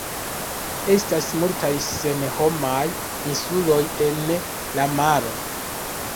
Estas multaj senhomaj insuloj en la maro.